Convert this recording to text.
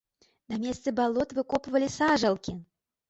На месцы балот выкопвалі сажалкі!